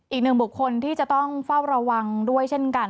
อีกหนึ่งบุคคลที่จะต้องเฝ้าระวังด้วยเช่นกัน